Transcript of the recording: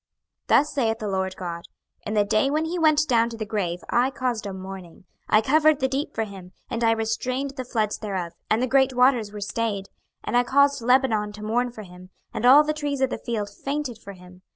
26:031:015 Thus saith the Lord GOD; In the day when he went down to the grave I caused a mourning: I covered the deep for him, and I restrained the floods thereof, and the great waters were stayed: and I caused Lebanon to mourn for him, and all the trees of the field fainted for him.